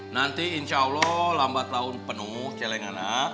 nanti insya allah lambat tahun penuh celengana